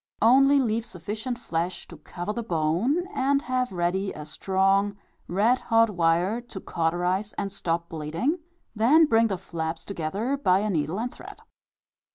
Only leave sufficient flesh to cover the bone, and have ready a strong red hot wire, to cauterize and stop bleeding, then bring the flaps together by a needle and thread.